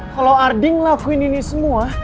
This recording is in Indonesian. kalo arding lakuin ini semua